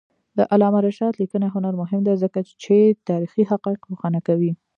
د علامه رشاد لیکنی هنر مهم دی ځکه چې تاریخي حقایق روښانه کوي.